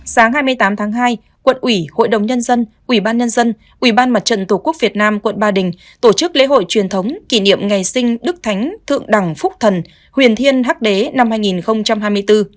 sáng hai mươi tám tháng hai quận ủy hội đồng nhân dân ủy ban nhân dân ủy ban mặt trận tổ quốc việt nam quận ba đình tổ chức lễ hội truyền thống kỷ niệm ngày sinh đức thánh thượng đẳng phúc thần huyền thiên hắc đế năm hai nghìn hai mươi bốn